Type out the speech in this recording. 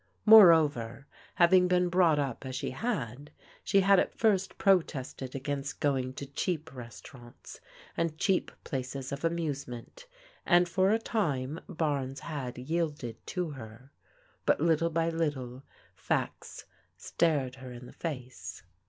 Moreover, having been brought up as she had, she had at first protested against going to cheap restaurants and cheap places of amusement, and for a time Bames had yielded to her. But little by little facts stared her in the face.